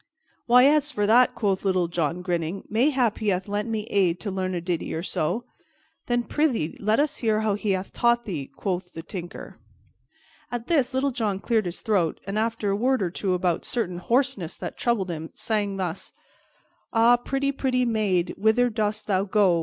"Why, as for that," quoth Little John, grinning, "mayhap he hath lent me aid to learn a ditty or so." "Then, prythee, let us hear how he hath taught thee," quoth the Tinker. At this Little John cleared his throat and, after a word or two about a certain hoarseness that troubled him, sang thus: "_Ah, pretty, pretty maid, whither dost thou go?